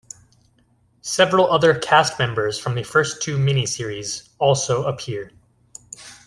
Several other cast members from the first two miniseries also appear.